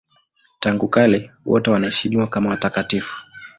Tangu kale wote wanaheshimiwa kama watakatifu.